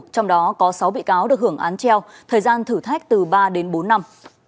trong đó có sáu bị cáo được hưởng án treo thời gian thử thách từ ba đến bốn năm